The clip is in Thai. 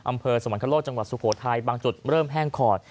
สวรรคโลกจังหวัดสุโขทัยบางจุดเริ่มแห้งขอด